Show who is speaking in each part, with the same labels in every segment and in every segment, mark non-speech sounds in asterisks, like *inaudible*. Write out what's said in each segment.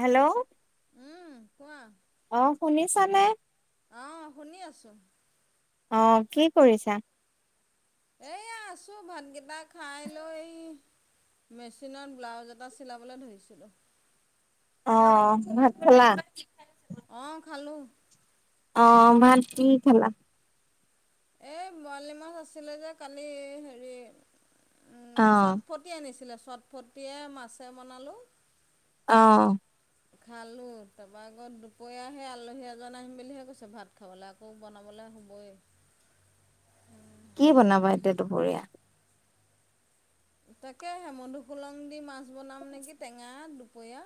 Speaker 1: Hello.
Speaker 2: উম, কোৱা।
Speaker 1: অ', শুনিছানে?
Speaker 2: অ' শুনি আছোঁ।
Speaker 1: অ', কি কৰিছা?
Speaker 2: এয়া আছো ভান গিটা খাই
Speaker 1: উ *unintelligible*
Speaker 2: কি, মেচিনত ব্লাউজ এটা চিলাবলৈ ধৰিছিলোঁ।
Speaker 1: অ', ভাত খালা?
Speaker 2: অ', খালোঁ।
Speaker 1: অ', ভাত কি খালা?
Speaker 2: এই বৰালি মাছ আছিলে যে কালি হেৰি
Speaker 1: অ
Speaker 2: উম, চটফটি আনিছিলে চটফটিয়ে মাছে বনালোঁ।
Speaker 1: অ'।
Speaker 2: খালো তাৰপৰা আকৌ দুপৰীয়া হে আলহী এজন আহিম বুলিহে কৈছে ভাত খাবলৈ আকৌ বনাবলৈ হ'বয়ে।
Speaker 1: কি বনাবা এতিয়া দুপৰীয়া?
Speaker 2: তাকে মধুসুলং দি মাছ বনাম নেকি টেঙা দুপৰীয়া।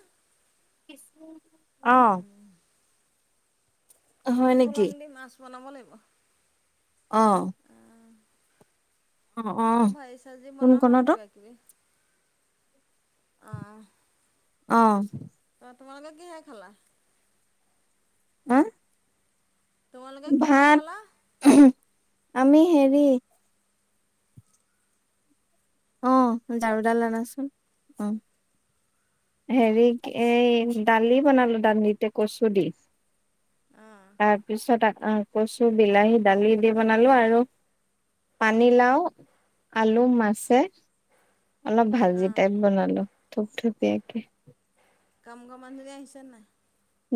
Speaker 1: আহ নেকি?
Speaker 2: মধুসোলং দি মাছ বনাব লাগিব
Speaker 1: আহ
Speaker 2: আ ভাই চজি
Speaker 1: কোনকণত অ?
Speaker 2: বনাামকিবা কিবি অহ
Speaker 1: অ',
Speaker 2: পাতমাৰগ কিহ খালা
Speaker 1: আহ
Speaker 2: তোমালোকে কিহে
Speaker 1: ভাত
Speaker 2: খালা?
Speaker 1: আমি হেৰি আহ ঝাৰুডাল আনাচোন অ', হেৰি এই দালি বনালো দালিতে কচু দি
Speaker 2: অঁ
Speaker 1: তাৰপিছত কৈছো বিলাহী দালি দি বনালো আৰু পানীলাও আলু মাছে অলপ ভাজি টাইপ বনালো থুপথুপীয়াকে
Speaker 2: কাম কম আজৰি আহিছ ন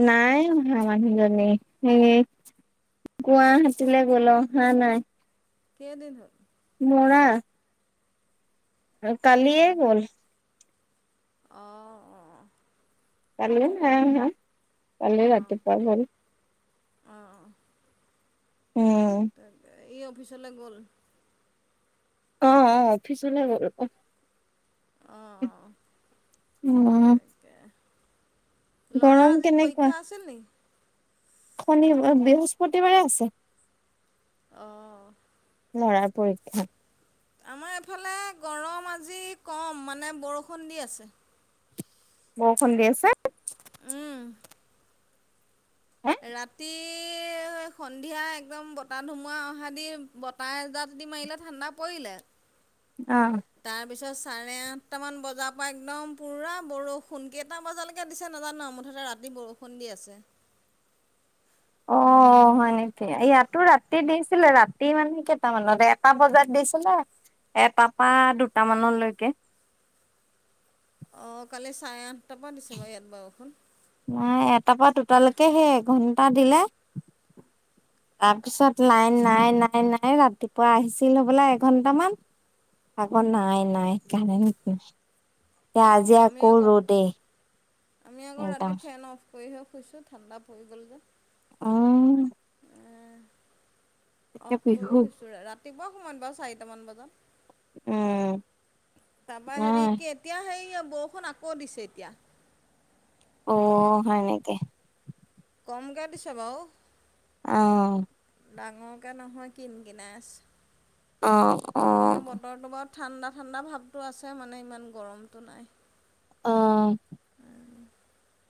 Speaker 1: নাই মা মানুহজনী উ গুৱাহাটীলৈ গলো হা নাই
Speaker 2: কেই দিন
Speaker 1: মৰা কাল ইে ব'ল
Speaker 2: অ', অ
Speaker 1: কাললৈ হ হা কাললৈ ৰাতিুৱ হ
Speaker 2: অঁ
Speaker 1: উম
Speaker 2: তাকে ই অফিচলৈ গ'ল।
Speaker 1: অ', অ, অফিচলে গ'ল অহ।
Speaker 2: অঁ
Speaker 1: উম।
Speaker 2: তাকে লৰাৰ
Speaker 1: গৰম
Speaker 2: আজি পৰীক্ষা আছিল নেকি?
Speaker 1: শনিবাৰ বৃহস্পতিবাৰে আছে।
Speaker 2: অহ।
Speaker 1: লৰাৰ পৰীক্ষা।
Speaker 2: আমাৰ এইফালে গৰম আজি কম মানে বৰষুণ দি আছে।
Speaker 1: বৰষূণ দি আছে।
Speaker 2: উম
Speaker 1: হে
Speaker 2: ৰাতি সন্ধিয়া একদম বতাহ ধুমুহা অহা দি বতাহ এজাক দি মাৰিলে ঠাণ্ডা পৰিলে।
Speaker 1: *inaudible*
Speaker 2: তাৰপিছত চাৰে আঠটামান বজাৰ পৰা একদম পূৰা বৰষুণ কেইটা বজালৈকে দিছে নাজানো মুঠতে ৰাতি। বৰষুণ দি আছে।
Speaker 1: অহ। অ', হয় নেকি? ইয়াতো ৰাতি দিছিলে, ৰাতি মানে কেইটামানত এটা বজাত দিছিলে। এটাৰ পৰা দুটামানলৈকে।
Speaker 2: অ', কালি চাৰে আঠটাৰ পৰা দিছে বাৰু ইয়াত বৰষুণ।
Speaker 1: নাই, এটাৰ পৰা দুটালৈকে সেই এঘণ্টা দিলে। তাৰপিছত লাইন নাই নাই নাই, ৰাতিপুৱা আহিছিল হবলা এঘন্টামান। আকৌ নাই নাই কাৰেণ্ট নাই, এতিয়া
Speaker 2: অঁ
Speaker 1: আজি
Speaker 2: আমি
Speaker 1: আকৌ ৰ'দেই।
Speaker 2: আমি আকৌ
Speaker 1: একদম
Speaker 2: ৰাতি ফেন অফ কৰিহে শুইছো, ঠাণ্ডা পৰি গ'ল যে।
Speaker 1: অহ।
Speaker 2: অফ কৰি
Speaker 1: বিহু
Speaker 2: শুইছো, ৰাতিপুৱা সময়ত বাৰু চাৰিটামান বজাত।
Speaker 1: উম
Speaker 2: তাৰপৰা হেৰি
Speaker 1: নাই
Speaker 2: কি এতিয়া সেই বৰষুণ আকৌ দিছে এতিয়া।
Speaker 1: অ', হয় নেকি?
Speaker 2: কমকৈ দিছে বাৰু।
Speaker 1: অহ।
Speaker 2: ডাঙৰকে নহয় কিন-কিনাই
Speaker 1: অ অ
Speaker 2: আছে, কিন্তু বতৰটো বাৰু ঠাণ্ডা-ঠাণ্ডা ভাৱটো আছে মানে, ইমান গৰমটো নাই।
Speaker 1: অ',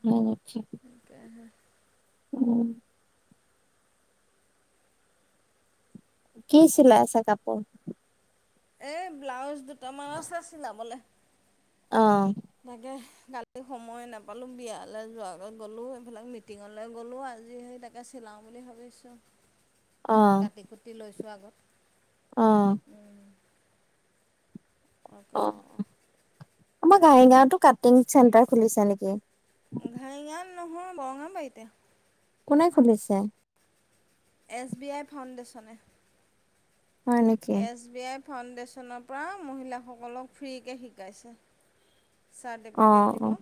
Speaker 1: *unintelligible*
Speaker 2: তাকেহে
Speaker 1: উম। কি চিলাইছা কাপোৰ?
Speaker 2: এ ব্লাউজ দুটামান আছে চিলাবলে।
Speaker 1: অহ।
Speaker 2: তাকে, কালি সময়ে নাপালো বিয়ালৈ যোৱাকেই গ'লো। এইফালে মিটিঙলৈ গ'লো। আজি সেই তাকেই চিলাওঁ বুলি ভাবিছো।
Speaker 1: অ
Speaker 2: কাটি-কুটি লৈছো আগত।
Speaker 1: অ
Speaker 2: উম।
Speaker 1: অ
Speaker 2: অকৌ
Speaker 1: আমাৰ ঘাঁহিগাঁওতো কাটিং চেণ্টাৰ খুলিছে নেকি?
Speaker 2: ঘাইঙাত নহয়, বৰঙাবাৰীতে।
Speaker 1: কোনে খুলিছে?
Speaker 2: এছ বি আই ফাউণ্ডেশ্যনে।
Speaker 1: হয় নেকি?
Speaker 2: এছ বি আই ফাউণ্ডেশ্যনৰ পৰা মহিলাসকলক ফ্ৰীকে শিকাইছে।
Speaker 1: অ
Speaker 2: চাৰ্টিফিকেট দিব।
Speaker 1: অ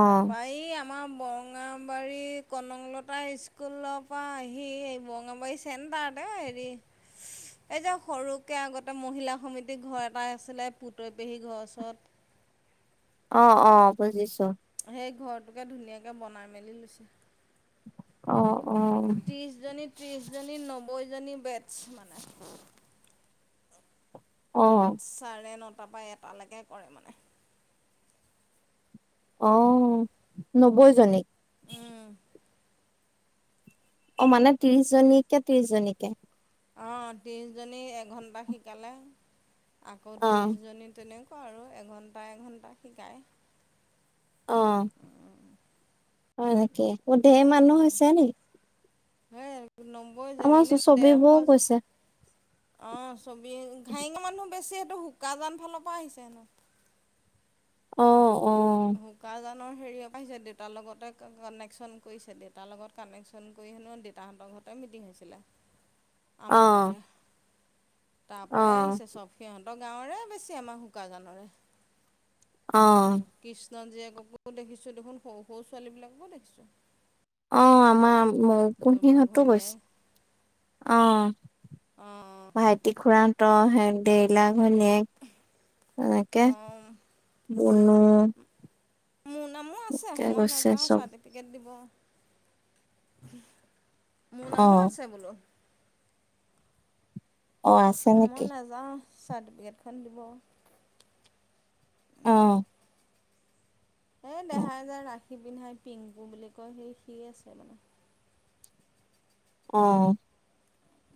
Speaker 2: তাৰ পৰা এই আমাৰ বৰ বৰঙাবাৰী কনকলতা স্কুলৰ পৰা আহি, এই বৰঙাবাৰী চেণ্টাৰতে হেৰি এই যে সৰুকে আগতে মহিলা সমিতিৰ ঘৰ এটা আছিলে, পুতৈ পেহী ঘৰৰ ওচৰত।
Speaker 1: *inaudible* অ' অ' বুজিছো।
Speaker 2: সেই ঘৰটোকে ধুনীয়াকে বনাই মেলি লৈছে।
Speaker 1: অ। অ',
Speaker 2: ত্ৰিছ জনী, ত্ৰিছ জনী, নব্বৈ জনী বেটছ মানে।
Speaker 1: অ',
Speaker 2: চাৰে নটাৰ পৰা এটালেকে কৰে মানে।
Speaker 1: অও, নব্বৈ জনী? অ' মানে ত্ৰিছ জনীকে, ত্ৰিছ জনীকে।
Speaker 2: অ' ত্ৰিছজনী এঘণ্টা শিকালে। আকৌ
Speaker 1: অ',
Speaker 2: ত্ৰিছজনী তেনে আৰু এঘণ্টা-এঘণ্টা শিকায়।
Speaker 1: অ' হয় নেকি? ধেৰ মানুহ হৈছে নি?
Speaker 2: হে
Speaker 1: আমাৰ
Speaker 2: নব্বৈজনীনে ডেৰশ
Speaker 1: ছবিবৌ
Speaker 2: জ,
Speaker 1: গৈছে
Speaker 2: অ'। চবি, ঘাইঙা মানুহ বেছি সেইটো শুকাজান ফালৰ পৰা আহিছে হেনো।
Speaker 1: অ'। অ'।
Speaker 2: শুকাজান নৰ হেৰিয়ও পৰা আহিছে, দেউতাৰ লগতে কানেকশ্যন কৰিছে। দেউতাৰ লগত কানেকশ্যন কৰি হেনো দেউতাহঁতৰ গতে মিটিং হৈছিলে।
Speaker 1: *inaudible*
Speaker 2: আমাৰ
Speaker 1: অ',
Speaker 2: ঘৰতে। তাৰ পৰাই
Speaker 1: অ',
Speaker 2: আহিছে চব। সিহঁতৰ গাঁৱৰে বেছি, আমাৰ শুকাজানৰে।
Speaker 1: অহ।
Speaker 2: উম, কৃষ্ণ জীয়েককো দেখিছো দেখোন। সৰু-সৰু ছোৱালীবিলাককো দেখিছো।
Speaker 1: অ', আমাৰ মৌ-কুহিহঁতো গৈছে।
Speaker 2: ঘৈণীয়েক
Speaker 1: অ'।
Speaker 2: অ'
Speaker 1: ভাইটি খুৰাহঁতৰ হে দেৰ *unintelligible* ঘৈণীয়েক এনেকে
Speaker 2: অ' অ'
Speaker 1: বনো
Speaker 2: মোৰ নামো আছে। মই নেযাওঁ, চাৰ্টিফিকেট দিব। মোৰ নামো
Speaker 1: অ',
Speaker 2: আছে বোলো।
Speaker 1: অ' আছে
Speaker 2: মই
Speaker 1: নেকি!
Speaker 2: নাযাওঁ চাৰ্টিফিকেটখন দিব
Speaker 1: আহ
Speaker 2: এই দেহাই যোৰ ৰাখি পিন্ধাই পিংকু বুলি কয় সি সি আছে মানে
Speaker 1: আহ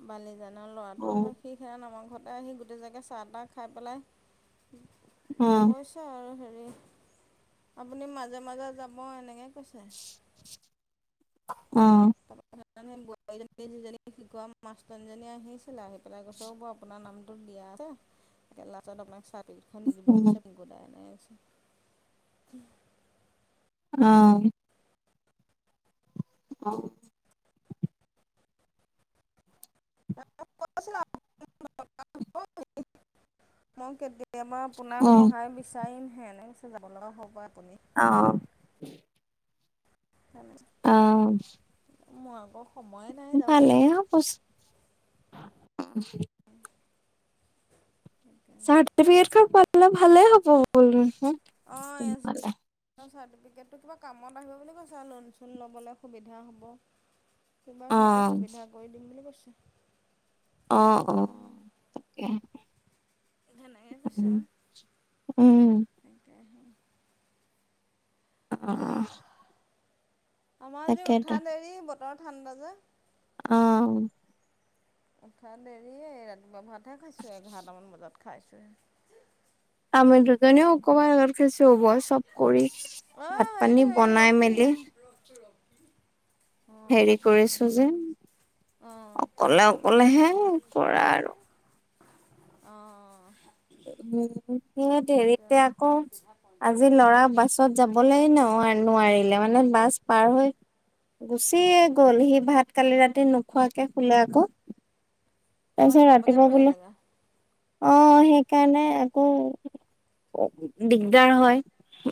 Speaker 2: বালিজানৰ ল'ৰাটো ধৰক সেইখ আমাৰ ঘৰতে আহি গোটেই জেগে চাহ তাহ খাই পেলাই।
Speaker 1: অ',
Speaker 2: কৈছ আৰু হেৰি আপুনি মাজে মাজে যাব এনেকৈ কৈছে।
Speaker 1: অ',
Speaker 2: সোৱাৰ যিজনী শিকোৱা মাষ্টৰীজনী আহিছিলে আহি পেলাই গছ ব আপোনাৰ নামটোত দিয়ে। আছে লত আপোনাক পেকেট খন্দদি ন ব চিন ঘৰাাই নাই আহছ
Speaker 1: অ', অ',
Speaker 2: ম কেতি কেতিয়াবা আপোনাক সহায় বিচাৰিমহে এনে পি যাব লগা হ'ব পৰা
Speaker 1: অ', অ'
Speaker 2: মই আকৌ সময়ে নাই যাবলৈ।
Speaker 1: ভালে পচ
Speaker 2: উম
Speaker 1: চাৰ্টিফিকেট কাৰ্ড পে ভালে হব ব
Speaker 2: ক্ৰিকেটটো কিবা কামত আহিব বুলি কৈছে আৰু লোন চোন ল'বলৈ সুবিধা হ'ব কিবা সিহঁতি
Speaker 1: অ',
Speaker 2: সুবিধা কৰি দিম বুলি কৈছো।
Speaker 1: অ', অ, তাকেহে।
Speaker 2: তেনেকে কৈছে
Speaker 1: উম।
Speaker 2: আৰু।
Speaker 1: উম।
Speaker 2: তাকেহে।
Speaker 1: অহ।
Speaker 2: আমাৰ আজি উঠা দেৰি বতৰৰ ঠাণ্ডা যে।
Speaker 1: আহ।
Speaker 2: উঠা দেৰিয়েই ৰাতিপুৱা ভাতহে খাইছো, এঘাৰটামান বজাত খাইছোহে।
Speaker 1: আমি দুজনীও অকমান আগত খাইছো মই চব কৰি
Speaker 2: অঁ
Speaker 1: ভাত পানী
Speaker 2: সেইটো এই
Speaker 1: বনাই
Speaker 2: ৰকি
Speaker 1: মেলি
Speaker 2: অঁ
Speaker 1: *unintelligible*
Speaker 2: অঁ
Speaker 1: হেৰি কৰিছো যে।
Speaker 2: অঁ
Speaker 1: অকলে অকলেহে কৰা আৰু।
Speaker 2: অহ।
Speaker 1: উম, ধেৰিতে আকৌ। আজি লৰা বাছত যাবলৈ ন নোৱাৰিলে মানে বাছ পাৰ হৈ গুচিয়েই গল, সি ভাত কালি ৰাতি নোখোৱাকে শুলে আকৌ।
Speaker 2: তাৰপৰা
Speaker 1: তাৰপিছত
Speaker 2: কি বাপেকে
Speaker 1: ৰাতিপুৱা
Speaker 2: থৈ
Speaker 1: বোলো
Speaker 2: আহিলেগৈ
Speaker 1: অহ সেইকাৰণে আকৌ দিগদাৰ হয়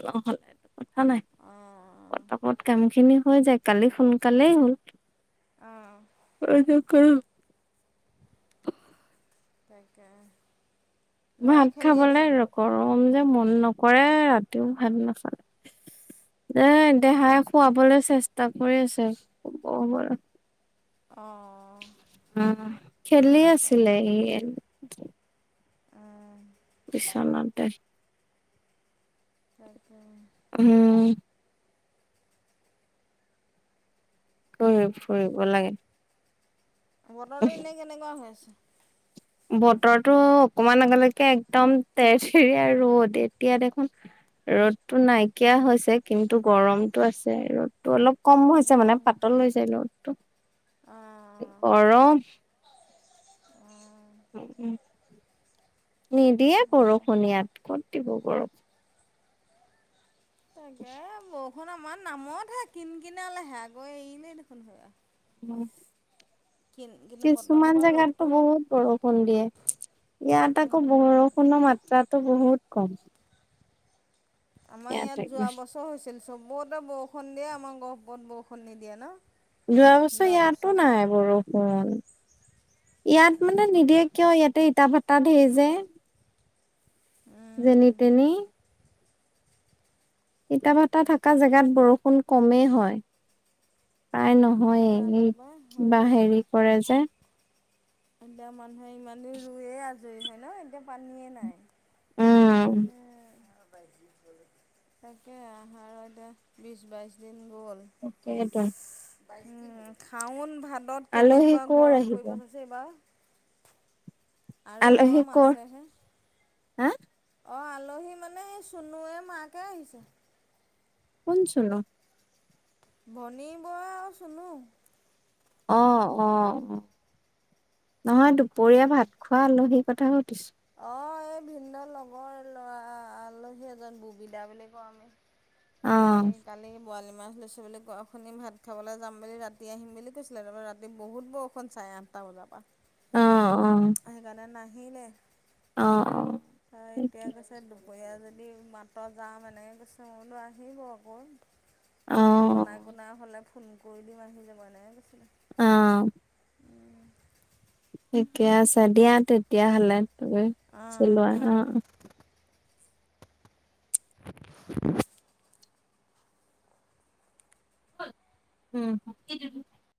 Speaker 1: নহলে। ক নাই
Speaker 2: অঁ
Speaker 1: পতাপত কাম খিনি হৈ যায়, কালি সোনকালেই হ'ল।
Speaker 2: অঁ
Speaker 1: *unintelligible*
Speaker 2: তাকেহে।
Speaker 1: ভাত খাবলে আৰু গৰম যে। মন নকৰে ৰাতিও ভাল নাখালে। এই দেহাই খুৱাবলৈ চেষ্টা কৰি আছে হব।
Speaker 2: অহ।
Speaker 1: খেলি আছিলে।
Speaker 2: উম।
Speaker 1: বিছনাতে।
Speaker 2: তাৰপিছত
Speaker 1: উম। ফুৰি ফুৰিব লাগে।
Speaker 2: বতৰটো এনেই কেনেকুৱা হৈ আছে?
Speaker 1: বতৰটো অকমান আগলৈকে একদম তেৰ তিৰীয়া ৰ'দ, এতিয়া দেখোন ৰ'দটো নাইকিয়া হৈছে, কিন্তু গৰমতটো আছে। ৰ'দটো অলপ কম হৈছে মানে,
Speaker 2: উম
Speaker 1: পাতল হৈছে ৰদটো,
Speaker 2: অঁ
Speaker 1: গৰম।
Speaker 2: অঁ
Speaker 1: উম, নিদিয়ে বৰষুণ ই, ক'ত দিব বৰষুণ।
Speaker 2: তাকেই বৰষুণ আমাৰ নামতহে, কিন কিনালেহে আকৌ এৰিলেই দেখোন সৌৱা।
Speaker 1: অহ।
Speaker 2: কিন্তু বতৰটো
Speaker 1: কিছুমান
Speaker 2: বাৰু
Speaker 1: জোগাতটো
Speaker 2: ৰ'দটো
Speaker 1: বহুত বৰষুণ দিয়ে। ইয়াত আকৌ বৰষুণৰ মাত্ৰাটো বহুত কম।
Speaker 2: আমাৰ ইয়াত যোৱা বছৰ হৈছিল, চবতে বৰষুণ দিয়ে আমাৰ গহপত বৰষুণ নিদিয়ে ন।
Speaker 1: যোৱা বছৰ ইয়াতো নাই বৰষুণ। ইয়াত মানে নিদিয়ে কিয়, ইয়াতে ইটা ভাটা ঢেৰ যে। যেনি তেনি। ইতাভাটা থকা জেগাত বৰষুণ কমেই হয়। প্ৰায় নহয়েই,
Speaker 2: জানো পাই
Speaker 1: এই
Speaker 2: হয়
Speaker 1: কিবা
Speaker 2: আৰু
Speaker 1: হেৰি কৰে যে।
Speaker 2: এতিয়া মানুহে ইমান দিন ৰুইয়েই আছে হয় ন, এতিয়া পানীয়ে নাই।
Speaker 1: উম।
Speaker 2: তাকেহে আৰু এতিয়া বিছ বাইছ দিন।
Speaker 1: সেইটোৱেই।
Speaker 2: উম, শাওন ভাদত
Speaker 1: আলহী
Speaker 2: কেনেকুৱা
Speaker 1: কৰ
Speaker 2: গৰম
Speaker 1: আহিব
Speaker 2: পৰিব চাবি চোন এইবাৰ। আৰু
Speaker 1: আলহী
Speaker 2: গৰম
Speaker 1: কৰ
Speaker 2: আছেহে।
Speaker 1: হা
Speaker 2: অঁ আলহী মানে এই চুনুৱুৱে মাকে আহিছে
Speaker 1: কোন চুনো
Speaker 2: ভনী বৰা আৰু চুনু
Speaker 1: অ অ অ নহয় দুপৰীয়া ভাত খোৱা আলহী কথা *unintelligible*
Speaker 2: অ এই ভিন্ দৰ লগৰ ল'ৰা আ - আলহী এজন বুবিধা বুলি কওঁ আমি
Speaker 1: অ
Speaker 2: এই কালি পোৱালি মাছ লৈছো বুলি গোৱা শুনি ভাত খাবলৈ যাম বুলি ৰাতি আহিম বুলি কৈছিলে তাৰবা ৰাতি বহুত বৰষুণ চাই না আঠটা বযাপা
Speaker 1: অ অ
Speaker 2: সেইকাৰণে নাহিলে
Speaker 1: অ অ
Speaker 2: আৰু এতিয়া
Speaker 1: ঠিকে,
Speaker 2: কৈছে দুপৰীয়া যদি মাতত যাম এনেকৈ কৈছে মইবোলো আহিব আকৌ
Speaker 1: অ
Speaker 2: মই বনাই কণাই হ'লে ফোন কৰি দিম আহি যাব এনে কৈছিলে
Speaker 1: আহ থিকে আছে দিয়া তেতিয়াহ'লে *unintelligible*
Speaker 2: অঁ
Speaker 1: চিলোৱা অ
Speaker 2: হ'ব
Speaker 1: অ
Speaker 2: *inaudible*
Speaker 1: *inaudible* উম